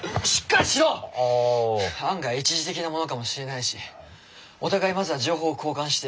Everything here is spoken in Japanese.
案外一時的なものかもしれないしお互いまずは情報を交換して。